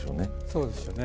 そうですよね。